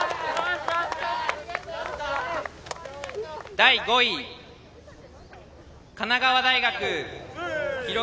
第５位、神奈川大学。